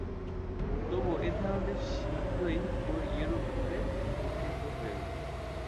তবুও, এই ধারণাটি শীঘ্রই পুরো ইউরোপ জুড়ে প্রসিদ্ধ হয়ে ওঠে।